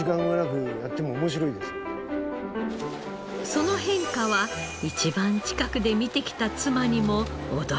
その変化は一番近くで見てきた妻にも驚きでした。